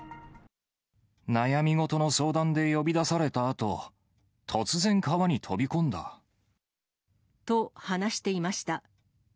悩み事の相談で呼び出されたあと、突然川に飛び込んだ。と、話していました。